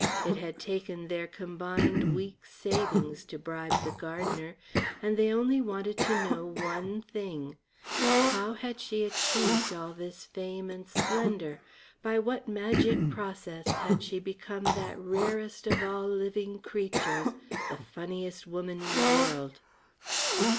It had taken their combined week's savings to bribe the gardener. And they only wanted to know one thing: How had she achieved all this fame and splendour, by what magic process had she become that rarest of all living creatures, the funniest woman in the world?